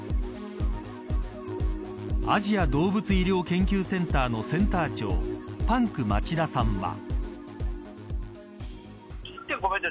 アジア動物医療研究センターのセンター長パンク町田さんは。